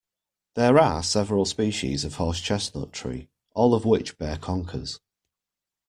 There are several species of horse chestnut tree, all of which bear conkers